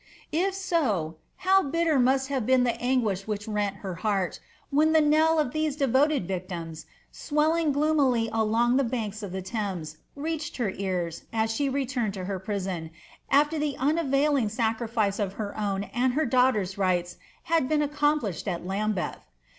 If so, how bitter must havt been the aiiguiah which rent her heart, whan the knell of tliese devoted victims, swelling gloomily along ths banks of the Thames, reached her ear an she returned to her prison, aftrr the unavailing sacrifice of her own and her daughter's rights liacl been accomplisheii ai l^uiiljetb!